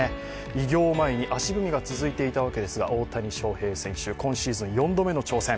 偉業を前に足踏みが続いていたわけですけど大谷翔平選手、今シーズン４度目の挑戦。